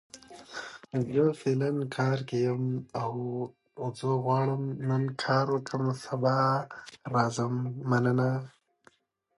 تاريخي بحثونه اوس له سپکاوي ډک دي.